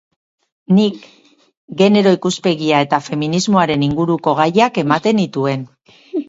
Nik genero ikuspegia eta feminismoaren inguruko gaiak ematen nituen.